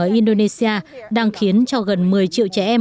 ở indonesia đang khiến cho gần một mươi triệu trẻ em